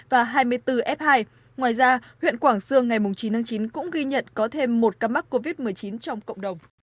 và hai mươi bốn f hai ngoài ra huyện quảng sương ngày chín tháng chín cũng ghi nhận có thêm một ca mắc covid một mươi chín trong cộng đồng